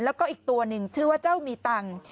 แล้วก็อีกตัวหนึ่งชื่อว่าเจ้ามีตังค์